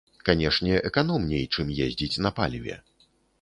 Канешне, эканомней, чым ездзіць на паліве.